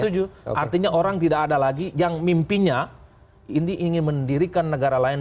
setuju artinya orang tidak ada lagi yang mimpinya ini ingin mendirikan negara lain